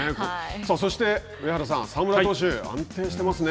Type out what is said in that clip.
さあそして、上原さん澤村投手安定していますね。